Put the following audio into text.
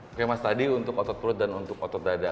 oke mas tadi untuk otot perut dan untuk otot dada